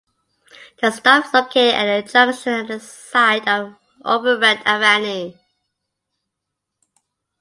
The stop is located at the junction at the side of Overend Avenue.